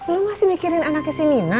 lo masih mikirin anaknya si mina